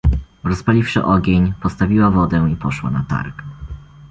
"Rozpaliwszy ogień, postawiła wodę i poszła na targ."